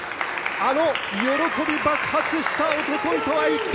あの喜び爆発したおとといとは一転